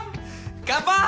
乾杯！